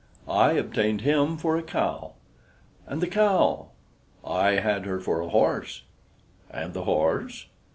"I obtained him for a cow." "And the cow?" "I had her for a horse." "And the horse?"